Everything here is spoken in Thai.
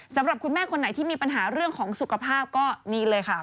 สำหรับคุณแม่คนไหนที่มีปัญหาเรื่องของสุขภาพก็นี่เลยค่ะ